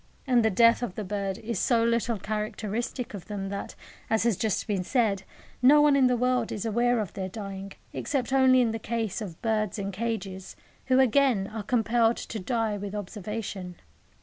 And the death of the birds is so little characteristic of them that, as has just been said, no one in the world is aware of their dying, except only in the case of birds in cages, who, again, are compelled to die with observation.